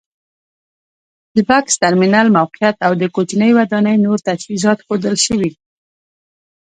د بکس ترمینل موقعیت او د کوچنۍ ودانۍ نور تجهیزات ښودل شوي.